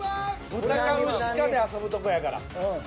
豚か牛かで遊ぶとこやから。